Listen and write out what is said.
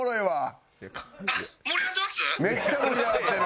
「はい」